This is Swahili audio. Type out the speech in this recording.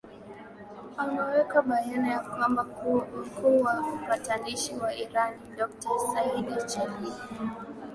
ameweka bayana ya kwamba mkuu wa upatanishi wa iran doctor saidi chelili